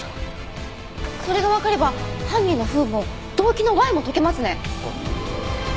それがわかれば犯人のＷＨＯも動機のＷＨＹも解けますね！